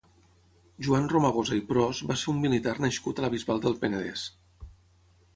Joan Romagosa i Pros va ser un militar nascut a la Bisbal del Penedès.